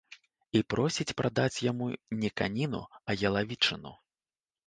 І просіць прадаць яму не каніну, а ялавічыну.